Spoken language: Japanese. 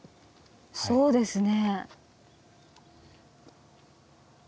そうですね。